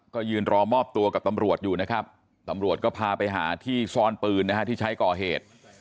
ก็ยืนรอมอบตัวกับตำรวจอยู่นะครับตำรวจก็พาไปหาที่ซ่อนปืนนะฮะที่ใช้ก่อเหตุ